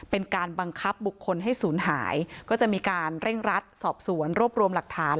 เป็นการบังคับบุคคลให้ศูนย์หายก็จะมีการเร่งรัดสอบสวนรวบรวมหลักฐาน